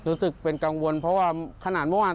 รู้สึกเป็นกังวลเพราะว่าขนาดเมื่อวาน